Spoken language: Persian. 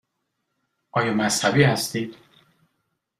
آیا مذهبی هستید؟